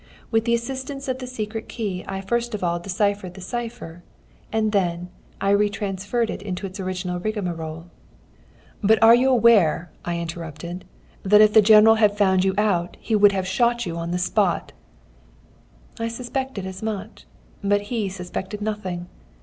With the assistance of the secret key I first of all deciphered the cipher, and then I retransferred it into its original rigmarole." "But are you aware," I interrupted, "that if the General had found you out, he would have had you shot on the spot?" "I suspected as much. But he suspected nothing.